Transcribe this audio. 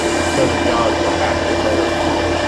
Cousin John, perhaps, is better.